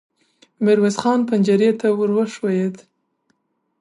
ميرويس خان پنجرې ته ور وښويېد.